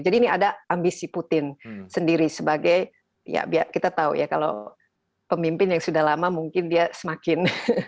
jadi ini ada ambisi putin sendiri sebagai ya biar kita tahu ya kalau pemimpin yang sudah lama mungkin dia semakin